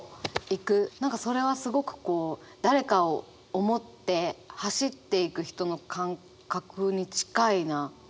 何かそれはすごくこう誰かを思って走っていく人の感覚に近いな。